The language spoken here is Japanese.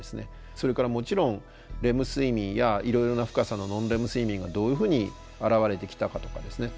それからもちろんレム睡眠やいろいろな深さのノンレム睡眠がどういうふうに現れてきたかとかですね。